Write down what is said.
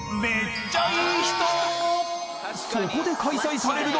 ［そこで開催されるのが］